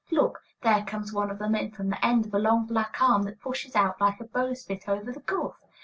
Look, there comes one of them in from the end of a long black arm that pushes out like a bowsprit over the gulf!